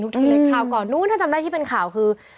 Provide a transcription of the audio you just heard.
ทีเล็กคราวก่อนนู้นถ้าจำได้ที่เป็นข่าวคือ